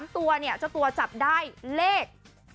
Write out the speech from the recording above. ๓ตัวเนี่ยเจ้าตัวจับได้เลข